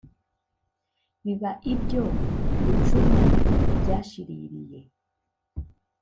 Biba ibyo gucuma ibyashiririye